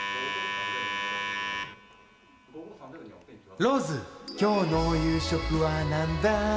ローズ、きょうの夕食はなんだい？